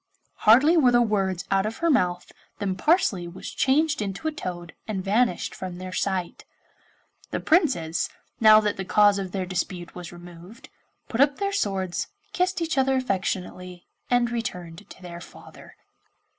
Hardly were the words out of her mouth than Parsley was changed into a toad and vanished from their sight. The Princes, now that the cause of their dispute was removed, put up their swords, kissed each other affectionately, and returned to their father.